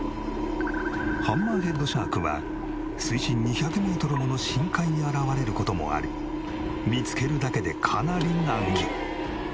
ハンマーヘッドシャークは水深２００メートルもの深海に現れる事もあり見つけるだけでかなり難儀。